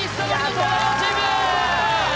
東大王チーム！